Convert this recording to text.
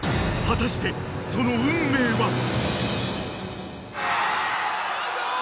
［果たしてその運命は］